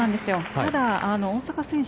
ただ、大坂選手